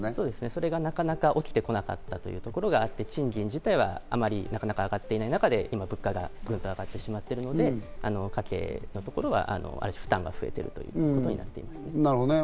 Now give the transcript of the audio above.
それがなかなか起きてこなかったということで、賃金がなかなか上がっていない中で物価がグンと上がってしまっているので、家計の負担が増えているということになっています。